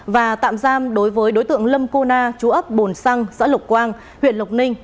và tạm giam đối với đối tượng lâm cô na chú ấp bồn săng giã lục quang huyện lục ninh